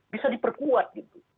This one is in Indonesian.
bisa diperkuat gitu